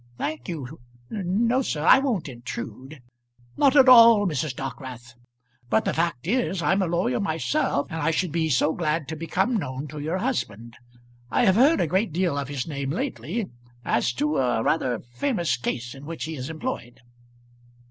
"Thank you; no, sir I won't intrude." "Not at all, Mrs. Dockwrath. But the fact is, I'm a lawyer myself, and I should be so glad to become known to your husband. I have heard a great deal of his name lately as to a rather famous case in which he is employed."